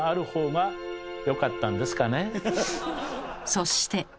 そして。